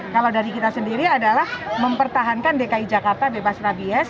kalau dari kita sendiri adalah mempertahankan dki jakarta bebas rabies